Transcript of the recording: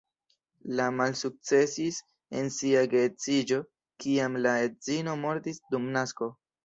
Li malsukcesis en sia geedziĝo kiam la edzino mortis dum nasko.